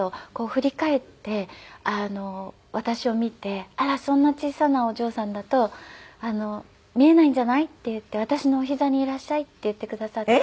振り返って私を見て「あらそんな小さなお嬢さんだと見えないんじゃない？」って言って「私のお膝にいらっしゃい」って言ってくださって。